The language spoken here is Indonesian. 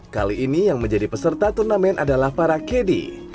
kali ini yang menjadi peserta turnamen adalah para kd